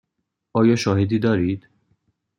آیا شاهدی دارید؟